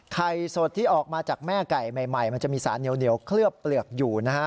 ไข่สดที่ออกมาจากแม่ไก่ใหม่มันจะมีสารเหนียวเคลือบเปลือกอยู่นะฮะ